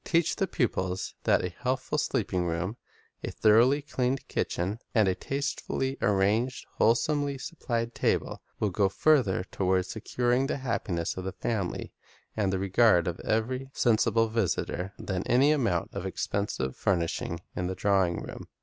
Teach the pupils that Sunlight, r &. l l ventilation a healthful sleeping room, a thoroughly clean kitchen, and a tastefully arranged, wholesomely supplied table, will go farther toward securing the happiness of the family and the regard of every sensible visitor than any amount of expensive furnishing in the drawing room.